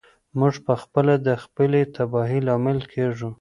موږ پخپله د خپلې تباهۍ لامل کیږو.